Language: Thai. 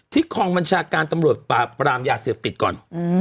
ที่คลองบัญชาการตำรวจปรามยาเสียบติดก่อน